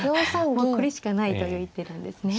もうこれしかないという一手なんですね。